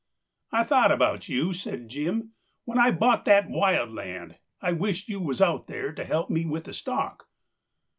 "I thought about you," said Jim, "when I bought that wild land. I wished you was out there to help me with the stock."